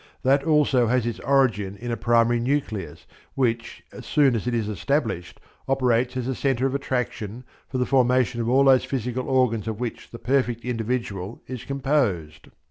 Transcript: That also has its origin in a primary nucleus which, as soon as it is established, operates as a centre of attraction for the formation of all those physical organs of which the perfect individual is composed.